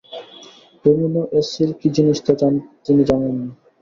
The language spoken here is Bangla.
এ্যামিনো অ্যাসিড় কী জিনিস তা তিনি জানেন না।